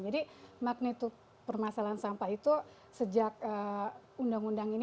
jadi magnitude permasalahan sampah itu sejak undang undang ini